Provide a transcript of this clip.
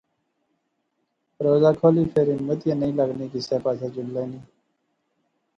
روزہ کھولی فیر ہمت ای نی لغنی کسے پاسے جلنے نی